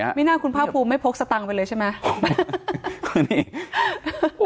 ไม่เนื่องไหวคุณพาปูไม่โพลกสตังไปเลยใช่ไหม